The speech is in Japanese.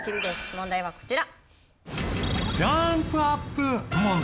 問題はこちら。